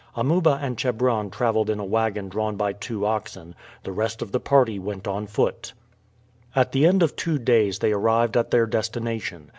Amuba and Chebron traveled in a wagon drawn by two oxen; the rest of the party went on foot. At the end of two days they arrived at their destination.